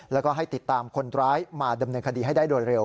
แล้วก็ให้ติดตามคนร้ายมาดำเนินคดีให้ได้โดยเร็ว